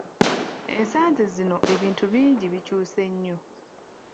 Ensangi zino ebintu bingi bikyuse nnyo.